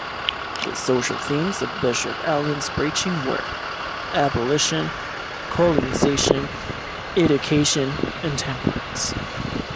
The social themes of Bishop Allen's preaching were abolition, colonization, education, and temperance.